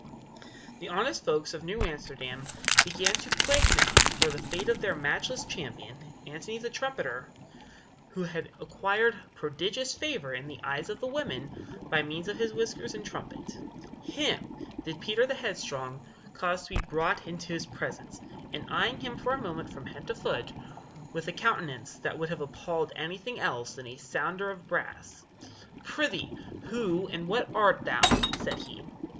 The honest folks of New Amsterdam began to quake now for the fate of their matchless champion, Antony the Trumpeter, who had acquired prodigious favor in the eyes of the women by means of his whiskers and his trumpet. Him did Peter the Headstrong cause to be brought into his presence, and eying him for a moment from head to foot, with a countenance that would have appalled anything else than a sounder of brass "Pr'ythee, who and what art thou?" said he.